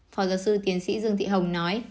phó giáo sư tiến sĩ dương thị hồng nói